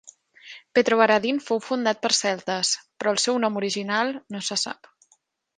Petrovaradin fou fundat per celtes, però el seu nom original no se sap.